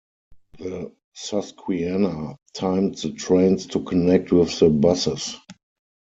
The Susquehanna timed the trains to connect with the buses.